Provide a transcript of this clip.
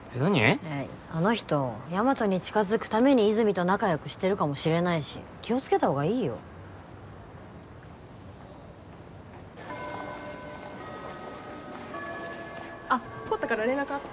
あの人大和に近づくために和泉と仲よくしてるかもしれないし気をつけた方がいいよあっコータから連絡あった？